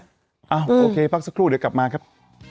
โอเคพักสักครู่เดี๋ยวกลับมาครับ